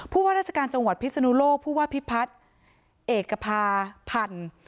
ว่าราชการจังหวัดพิศนุโลกผู้ว่าพิพัฒน์เอกภาพันธ์